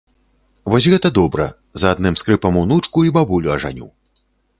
Вось гэта добра, за адным скрыпам унучку і бабулю ажаню.